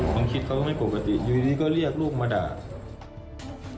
คิดเขาก็ไม่ปกติอยู่ดีก็เรียกลูกมาด่า